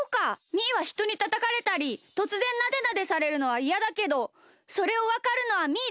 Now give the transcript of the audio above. みーはひとにたたかれたりとつぜんなでなでされるのはいやだけどそれをわかるのはみーだけなのか！